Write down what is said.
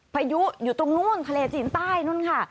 พายุอยู่ตรงนู้นทะเลจีนใต้นู่นค่ะ